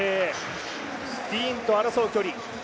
ディーンと争う距離。